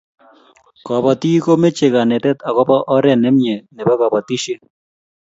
kobotik komeche kenet akobo oree nemie neebo kabotishee